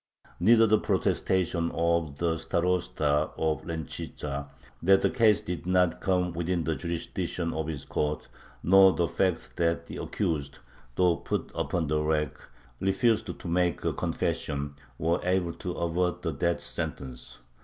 Neither the protestation of the Starosta of Lenchitza, that the case did not come within the jurisdiction of his court, nor the fact that the accused, though put upon the rack, refused to make a confession, were able to avert the death sentence.